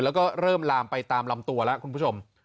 แล้วก็เริ่มลามไปตามลำตัวแล้วคุณผู้ชม